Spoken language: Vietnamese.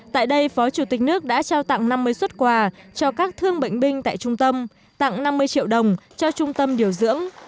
tại đây phó chủ tịch nước đã trao tặng năm mươi xuất quà cho các thương bệnh binh tại trung tâm tặng năm mươi triệu đồng cho trung tâm điều dưỡng